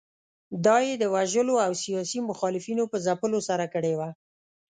دا یې د وژنو او سیاسي مخالفینو په ځپلو سره کړې وه.